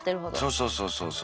そうそうそうそう。